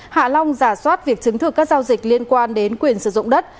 hạ long giả soát việc chứng thực các giao dịch liên quan đến quyền sử dụng đất